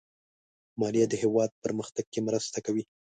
مالیه د هېواد پرمختګ کې مرسته کوي.